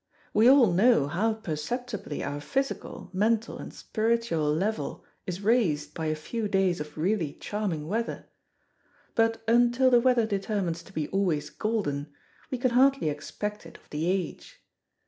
We all know how perceptibly our physical, mental and spiritual level is raised by a few days of really charming weather; but until the weather determines to be always golden, we can hardly expect it of the age.